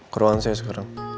kerohan saya sekarang